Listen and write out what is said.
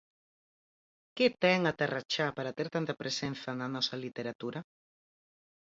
Que ten a Terra Chá para ter tanta presenza na nosa literatura?